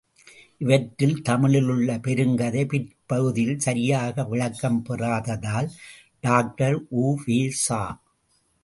இவற்றில் தமிழிலுள்ள பெருங்கதை பிற்பகுதியில் சரியாக விளக்கம் பெறாததால் டாக்டர் உ.வே.சா.